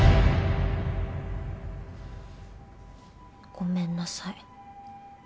ごめんなさい